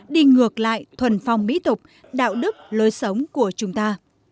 đi ngược lại thuần phong mỹ tục đạo đức lối sống của chúng ta